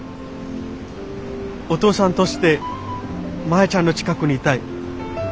お父さんとしてマヤちゃんの近くにいたい。